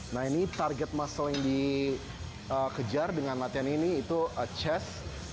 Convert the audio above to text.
nah ini target muscle yang dikejar dengan latihan ini itu chess